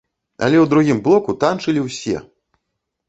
Але ў другім блоку танчылі ўсе!